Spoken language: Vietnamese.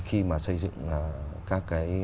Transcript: khi mà xây dựng các cái